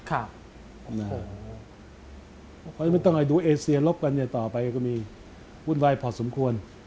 เพราะฉะนั้นไม่ต้องดูเอเซียลบกันต่อไปก็มีวุ่นวายพอสมควร